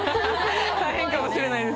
大変かもしれないです。